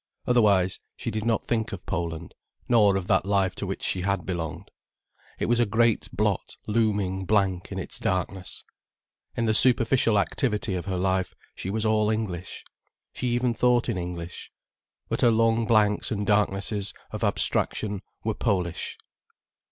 Otherwise she did not think of Poland, nor of that life to which she had belonged. It was a great blot looming blank in its darkness. In the superficial activity of her life, she was all English. She even thought in English. But her long blanks and darknesses of abstraction were Polish.